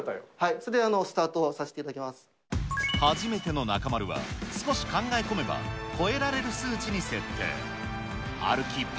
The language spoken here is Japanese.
それではスタートさせていた初めての中丸は、少し考え込めば超えられる数値に設定。